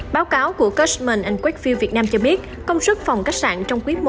báo cáo của customs quakefield việt nam cho biết công suất phòng khách sạn trong quý i